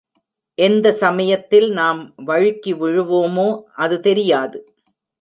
எந்த சமயத்தில் நாம் வழுக்கிவிழுவோமோ அது தெரியாது.